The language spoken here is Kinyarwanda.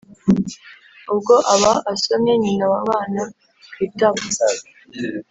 ubwo aba asomye nyina wa bana ku itama